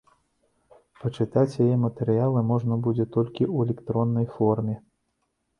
Пачытаць яе матэрыялы можна будзе толькі ў электроннай форме.